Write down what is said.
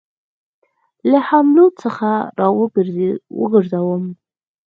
له حملو څخه را وګرځوم.